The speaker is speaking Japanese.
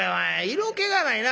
色気がないな。